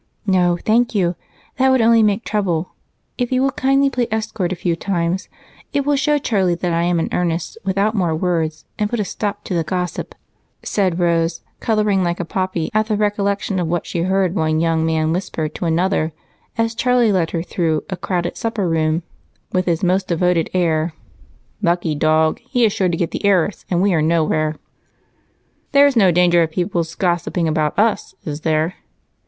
"No, thank you that would only make trouble. If you will kindly play escort a few times, it will show Charlie that I am in earnest without more words and put a stop to the gossip," said Rose, coloring like a poppy at the recollection of what she heard one young man whisper to another as Charlie led her through a crowded supper room with his most devoted air, "Lucky dog! He is sure to get the heiress, and we are nowhere." "There's no danger of people gossiping about us, is there?"